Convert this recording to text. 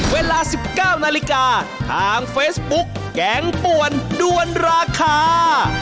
เวลา๑๙นาฬิกาทางเฟซบุ๊กแกงป่วนด้วนราคา